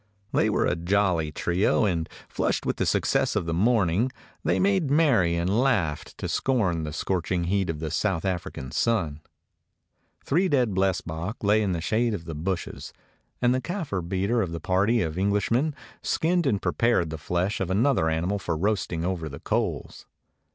They were a jolly trio, and, flushed with the success of the morning, they 183 DOG HEROES OF MANY LANDS made merry and laughed to scorn the scorch ing heat of the South African sun. Three dead blesbok lay in the shade of the bushes, and the Kafir beater of the party of English men skinned and prepared the flesh of another animal for roasting over the coals.